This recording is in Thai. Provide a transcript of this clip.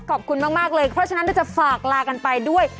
ขอบคุณมากเลยเพราะฉะนั้นเราจะฝากลากันไปด้วย